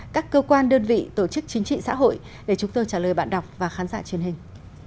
các cơ quan đơn vị tổ chức chính trị xã hội để chúng tôi trả lời bạn đọc và khán giả truyền hình